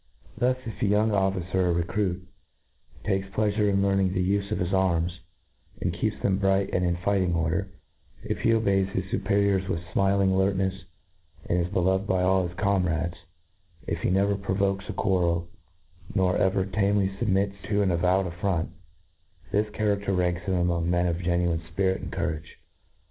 ^* Thus, if a young officer or recrilit takes plea , fure in learning the ufe of his arms, a«id keeps them bright and in fighting orde r i f he obeys his fuperior with fmiling alartnefs, and is beloved by all his comerades— ^if he never provokes a quarrel, nor ever tamely fubmits to an avow ed affront— —this charafter ranks him among men of genuine fpirit and courage.